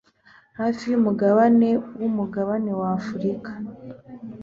hafi y'umugabane w'umugabane wa Afurika